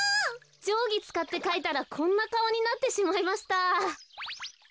じょうぎつかってかいたらこんなかおになってしまいました。